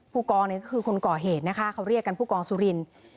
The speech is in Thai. ผู้กองเนี่ยก็คือคนก่อเหตุนะคะเขาเรียกกันผู้กองสุรินทร์